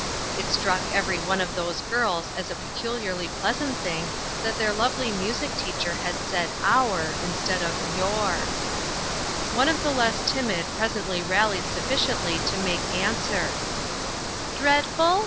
It struck every one of those girls as a pecu liarly pleasant thing that their lovely music teacher had said "our" instead of "your." One of the less timid presently rallied sufficiently to make answer: "Dreadful?